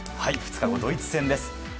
２日後、ドイツ戦です。